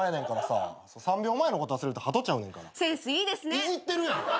いじってるやん。